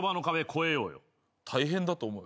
大変だと思うよ。